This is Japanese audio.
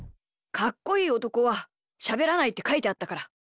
かっこいいおとこはしゃべらないってかいてあったから。